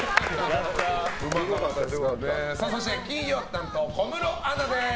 そして金曜担当、小室アナです。